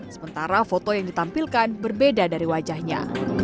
sementara foto yang ditampilkan berbeda dari wajahnya